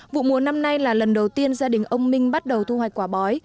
vụ mùa năm nay là lần đầu tiên gia đình ông minh bắt đầu thu hoạch quả bói